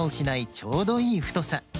ちょうどいいふとさ。